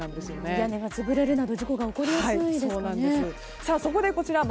屋根が潰れるなど事故が起こりやすいですからね。